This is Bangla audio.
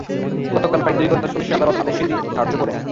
গতকাল প্রায় দুই ঘণ্টা শুনানি শেষে আদালত আদেশের দিন ধার্য করেন।